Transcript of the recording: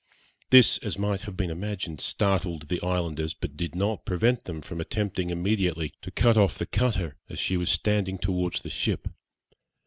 This, as might have been imagined, startled the islanders, but did not prevent them from attempting immediately to cut off the cutter, as she was standing towards the ship.